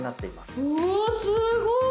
すごい。